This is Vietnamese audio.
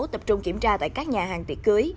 tập trung kiểm tra tại các nhà hàng tiệc cưới